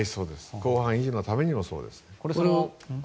公判維持のためにもそうです。